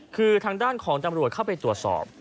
คือทางด้านของตำรวจเข้าไปตรวจสอบ